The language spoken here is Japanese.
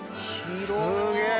すげえ！